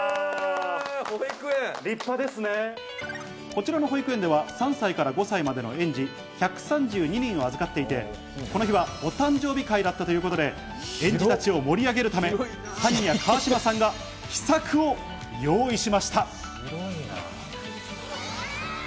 こちらの保育園では３歳から５歳までの園児１３２人を預かっていて、この日はお誕生日会だったということで、園児たちを盛り上げるため、はんにゃ・よっ！